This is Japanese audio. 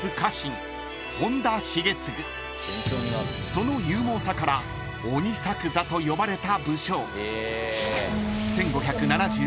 ［その勇猛さから鬼作左と呼ばれた武将］